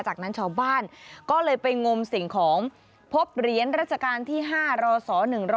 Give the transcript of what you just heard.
จากนั้นชาวบ้านก็เลยไปงมสิ่งของพบเหรียญราชการที่๕รศ๑๐